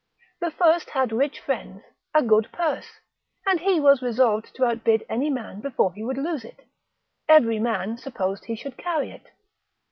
The first had rich friends, a good purse, and he was resolved to outbid any man before he would lose it, every man supposed he should carry it.